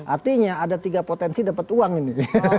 artinya ada tiga potensi dapat uang ini